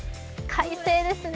快晴ですね